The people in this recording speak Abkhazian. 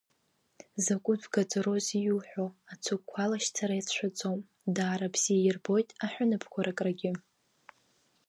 Закәытә гаӡароузеи иуҳәо, ацыгәқәа алашьцара иацәшәаӡом, даара бзиа ирбоит аҳәынаԥқәа рыкрагьы.